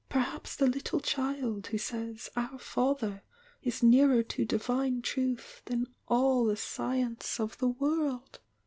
^. Perhaps the attle child who says 'Our father is nearer to Divine Truth than all the sci ence of the world."